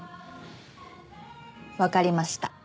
わかりました。